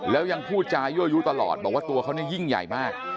แล้วยังพูดจายั่วยู้ตลอดบอกว่าตัวเขาเนี่ยยิ่งใหญ่มาก